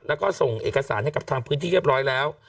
แล้วก็ส่งเอกสารให้กับทางพื้นที่เรียบร้อยแล้ว